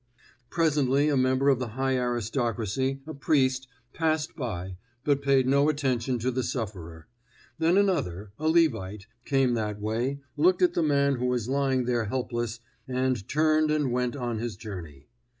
Presently a member of the high aristocracy, a priest, passed by, but paid no attention to the sufferer; then another, a Levite, came that way, looked at the man who was lying there helpless, and turned and went on his journey.